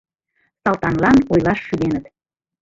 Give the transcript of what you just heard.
Салтанлан ойлаш шӱденыт